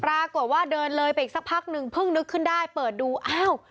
ปรากฏว่าเดินเลยไปอีกสักพักนึงเพิ่งนึกขึ้นได้เปิดดูอ้าว